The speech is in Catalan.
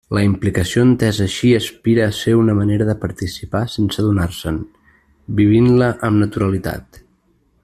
La implicació entesa així aspira a ser una manera de participar sense adonar-se'n, vivint-la amb naturalitat.